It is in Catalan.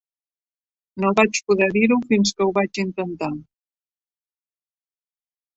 No vaig poder dir-ho fins que ho vaig intentar.